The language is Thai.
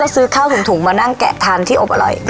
ถือว่าเร็วมากนะครับพี่กบ